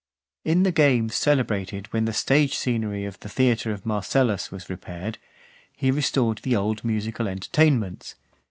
XIX. In the games celebrated when the stage scenery of (458) the theatre of Marcellus was repaired, he restored the old musical entertainments.